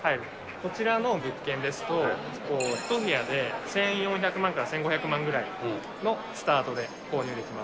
こちらの物件ですと、１部屋で１４００万から１５００万ぐらいのスタートで購入でき